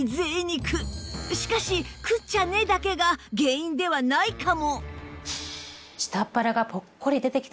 しかし食っちゃ寝だけが原因ではないかも